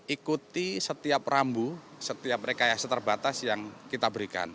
ikuti setiap rambu setiap rekayasa terbatas yang kita berikan